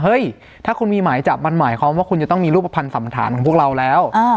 เฮ้ยถ้าคุณมีหมายจับมันหมายความว่าคุณจะต้องมีรูปภัณฑ์สันธารของพวกเราแล้ว